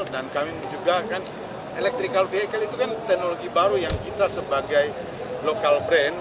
dan kami juga kan electrical vehicle itu kan teknologi baru yang kita sebagai local brand